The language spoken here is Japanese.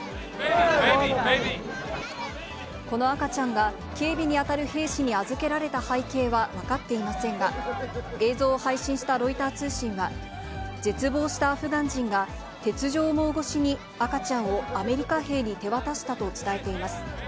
この赤ちゃんが警備に当たる兵士に預けられた背景は分かっていませんが、映像を配信したロイター通信は、絶望したアフガン人が鉄条網越しに赤ちゃんをアメリカ兵に手渡したと伝えています。